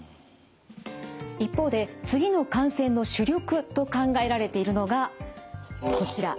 一方で次の感染の主力と考えられているのがこちら。